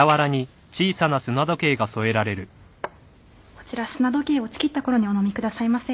こちら砂時計落ちきったころにお飲みくださいませ。